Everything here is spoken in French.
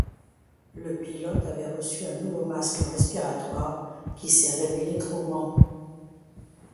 Le pilote avait reçu un nouveau masque respiratoire qui s'est révélé trop grand.